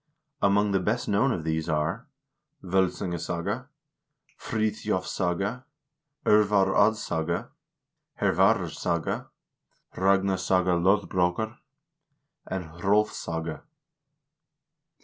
Among the best known of these are: " V0lsungasaga, " "FriSbjofssaga," "0rvar Oddssaga," " Hervararsaga," "Ragnarssaga Lo3br6kar," and "Hr61fssaga."